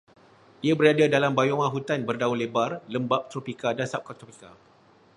Ia berada dalam bioma hutan berdaun lebar lembap tropika dan subtropika